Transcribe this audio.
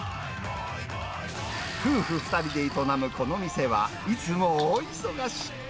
夫婦２人で営むこの店は、いつも大忙し。